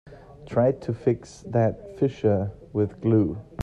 Try to fix that fissure with glue.